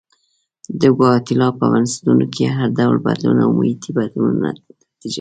د ګواتیلا په بنسټونو کې هر ډول بدلون د محیطي بدلونونو نتیجه وه.